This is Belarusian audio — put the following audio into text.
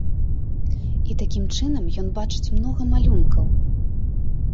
І такім чынам ён бачыць многа малюнкаў.